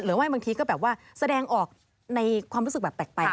บางทีก็แบบว่าแสดงออกในความรู้สึกแบบแปลก